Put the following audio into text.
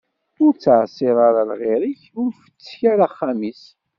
Ur ttɛeṣṣir ara lɣir-ik, ur fettek ara axxam-is.